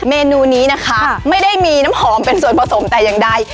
เมนูนี้นะคะไม่ได้มีน้ำหอมเป็นส่วนผสมแต่อย่างใด